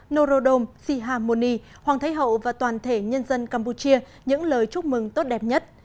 norodom sihamoni hoàng thế hậu và toàn thể nhân dân campuchia những lời chúc mừng tốt đẹp nhất